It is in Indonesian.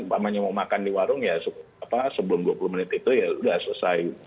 bapak ibu yang mau makan di warung ya sebelum dua puluh menit itu ya udah selesai